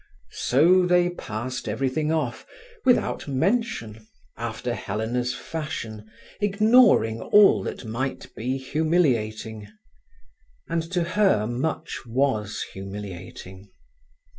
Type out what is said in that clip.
So they passed everything off, without mention, after Helena's fashion, ignoring all that might be humiliating; and to her much was humiliating.